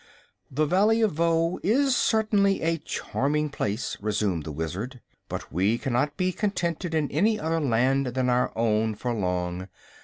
"The Valley of Voe is certainly a charming place," resumed the Wizard; "but we cannot be contented in any other land than our own, for long.